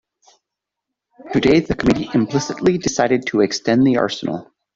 Today the committee implicitly decided to extend the arsenal.